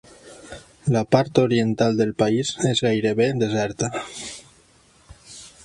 La part oriental del país és gairebé deserta.